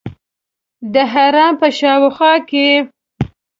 د حرم په شاوخوا کې.